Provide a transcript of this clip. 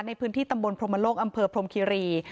ในพื้นที่ตำบลพรมโลกอำเภอพรมคิรี